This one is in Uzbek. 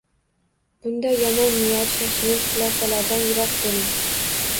Bunda yomon niyat, shoshilinch xulosalardan yiroq bo‘ling.